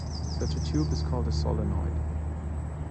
Such a tube is called a "Solenoid".